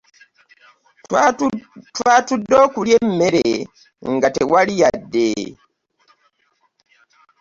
Twatudde okulya emmere nga tewali yadde.